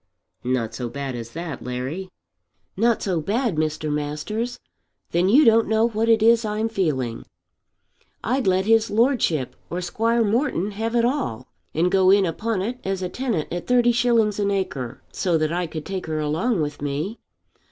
"Not so bad as that, Larry." "Not so bad, Mr. Masters! Then you don't know what it is I'm feeling. I'd let his lordship or Squire Morton have it all, and go in upon it as a tenant at 30_s._ an acre, so that I could take her along with me.